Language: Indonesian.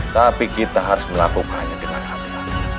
tapi kita harus melakukannya dengan hati hati